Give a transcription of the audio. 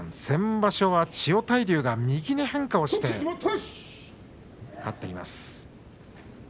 先場所は千代大龍が右に変化して勝っています。